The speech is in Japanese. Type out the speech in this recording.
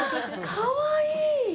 かわいい。